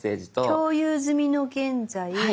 「共有済みの現在」。